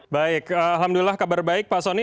baik alhamdulillah kabar baik pak soni